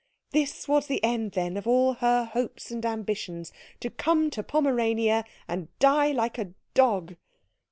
This was the end, then, of all her hopes and ambitions to come to Pomerania and die like a dog.